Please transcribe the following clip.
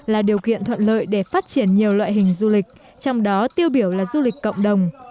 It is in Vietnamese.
là điều kiện thuận lợi để phát triển nhiều loại hình du lịch trong đó tiêu biểu là du lịch cộng đồng